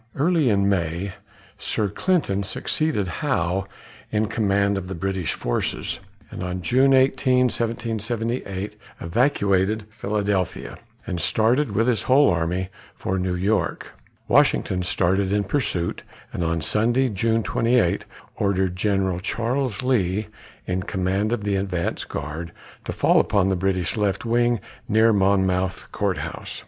Early in May, Sir Henry Clinton succeeded Howe in command of the British forces, and on June 18, 1778, evacuated Philadelphia, and started, with his whole army, for New York. Washington started in pursuit, and on Sunday, June 28, ordered General Charles Lee, in command of the advance guard, to fall upon the British left wing near Monmouth Court House.